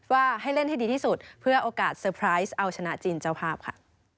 ว่าให้เล่นให้ดีที่สุดเพื่อโอกาสเตอร์ไพรส์เอาชนะจีนเจ้าภาพค่ะ